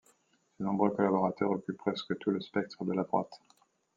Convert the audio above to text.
Ses nombreux collaborateurs occupent presque tout le spectre de la droite.